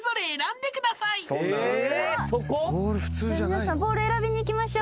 皆さんボール選びに行きましょ。